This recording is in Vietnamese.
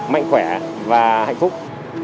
mạnh khỏe và hạnh phúc